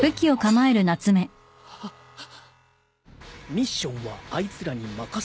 ミッションはあいつらに任せよう。